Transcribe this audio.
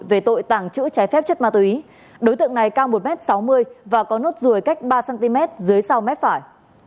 về tội tàng trữ trái phép chất ma túy đối tượng này cao một m sáu mươi và có nốt ruồi cách ba cm dưới sau mép phải